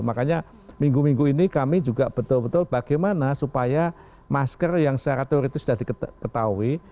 makanya minggu minggu ini kami juga betul betul bagaimana supaya masker yang secara teoritis sudah diketahui